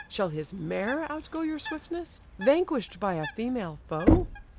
shall his mare outgo Your swiftness? vanquish'd by a female foe?